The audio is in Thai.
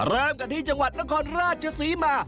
เริ่มกันที่จังหวัดนครราชศรีมา